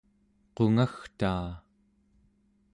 qungagtaa